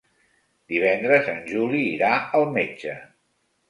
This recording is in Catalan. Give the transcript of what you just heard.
Divendres en Juli irà al metge.